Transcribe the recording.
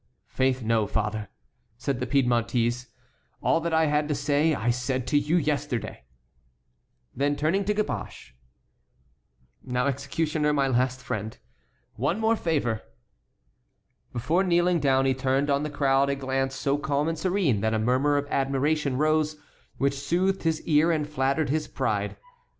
"Faith no, father," said the Piedmontese; "all that I had to say I said to you yesterday." Then turning to Caboche: "Now, executioner, my last friend, one more favor!" Before kneeling down he turned on the crowd a glance so calm and serene that a murmur of admiration rose, which soothed his ear and flattered his pride.